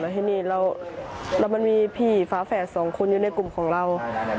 แล้วมันมีพี่ฟ้าแฝด๒คนอยู่ในกลุ่มของเรา